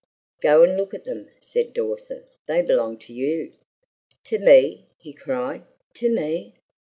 "Go and look at them," said Dawson. "They belong to you!" "To me!" he cried; "to me?